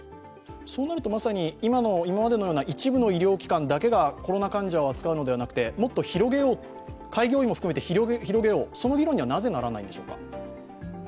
そうなると、まさに今までのような一部の医療機関だけでは、コロナ患者を扱うのではなくて、もっと広げよう、その議論にはなぜならないんでしょうか。